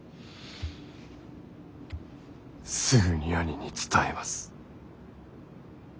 すぐに兄に伝えます。